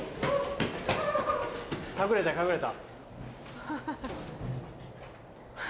隠れた隠れた。